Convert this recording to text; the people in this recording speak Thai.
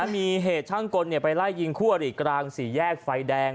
มีเหตุช่างกลไปไล่ยิงคู่อริกลางสี่แยกไฟแดง